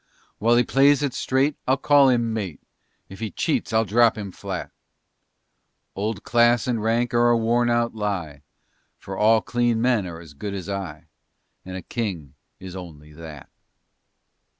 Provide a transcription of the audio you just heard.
While he plays it straight I'll call him mate; If he cheats I drop him flat. Old class and rank are a wornout lie, For all clean men are as good as I, And a king is only that.